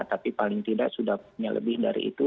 tapi paling tidak sudah punya lebih dari itu